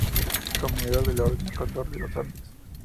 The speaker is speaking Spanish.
Comendador de la Orden del Cóndor de los Andes.